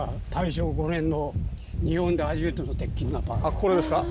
あっこれですか？